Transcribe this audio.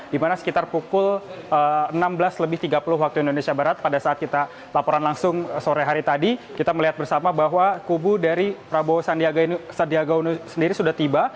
dimana sekitar pukul enam belas lebih tiga puluh waktu indonesia barat pada saat kita laporan langsung sore hari tadi kita melihat bersama bahwa kubu dari prabowo sandiaga uno sendiri sudah tiba